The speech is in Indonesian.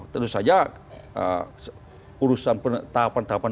terus saja urusan tahapan tahapan perusahaan